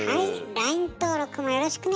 ＬＩＮＥ登録もよろしくね。